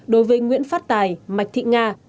đối với nguyễn phát tài mạch thị nga